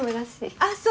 あっそう。